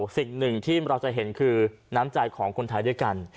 สิ่งหนึ่งที่เราจะเห็นคือน้ำใจของคนไทยด้วยกัน